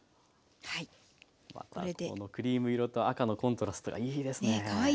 またこのクリーム色と赤のコントラストがいいですね。ね！